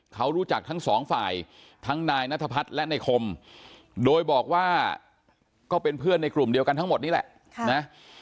เขารู้จักทั้งสองฝ่ายทั้งนายนัทพัฒน์และในคมโดยบอกว่าก็เป็นเพื่อนในกลุ่มเดียวกันทั้งหมดนี่แหละนะ